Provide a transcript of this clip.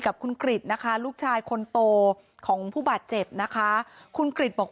กับคุณกริจนะคะลูกชายคนโตของผู้บาดเจ็บนะคะคุณกริจบอก